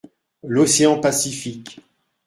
L’Océan Pacifique.